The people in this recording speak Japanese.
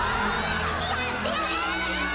やってやる！